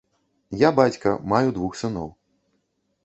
Я бацька, маю двух сыноў.